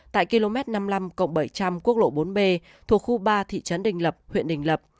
tại km năm mươi năm bảy trăm linh quốc lộ bốn b thuộc khu ba thị trấn đình lập huyện đình lập